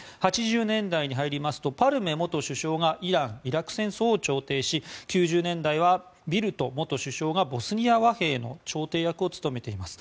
８０年代に入りますとパルメ元首相がイラン・イラク戦争を調停し９０年代はビルト元首相がボスニア和平の調停役を務めています。